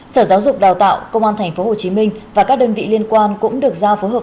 sở giáo dục đào tạo công an tp hcm và các đơn vị liên quan cũng được giao phối hợp